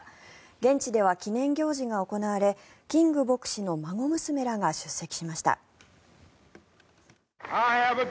現地では記念行事が行われキング牧師の孫娘らが出席しました。